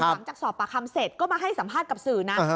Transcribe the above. หลังจากสอบปากคำเสร็จก็มาให้สัมภาษณ์กับสื่อนะ